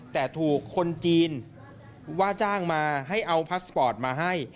แต่ถูกคนจีนว่าจ้างมาให้เอาพาสปอร์ตมาให้